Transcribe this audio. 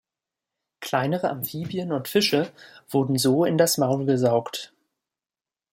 Kleinere Amphibien und Fische wurden so in das Maul gesaugt.